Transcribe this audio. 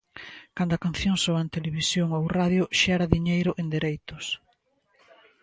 Cando a canción soa en televisión ou radio xera diñeiro en dereitos.